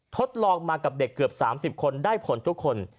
ทดลองมากับเด็กเกือบ๓๐คนได้ผลทุกคน